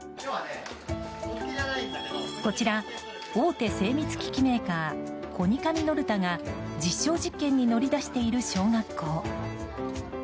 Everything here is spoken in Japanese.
こちら、大手精密機器メーカーコニカミノルタが実証実験に乗り出している小学校。